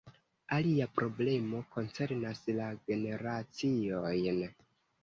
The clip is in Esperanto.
Alia problemo koncernas la generaciojn.